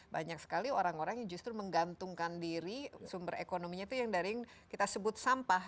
banyak sekali orang orang yang justru menggantungkan diri sumber ekonominya itu yang dari yang kita sebut sampah